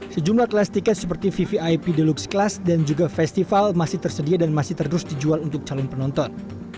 sejumlah kelas tiket seperti vvip the luxed class dan juga festival masih tersedia dan masih terus dijual untuk calon penonton